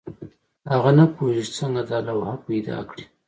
هغه نه پوهېږي څنګه دا لوحه پیدا کړي.